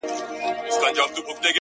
• چي كله مخ ښكاره كړي ماته ځېرسي اې ه ـ